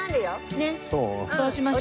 ねっそうしましょう。